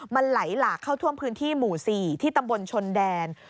มันไหลหลากเข้าท่วมพื้นที่หมู่๔ที่ตำบลชนแดน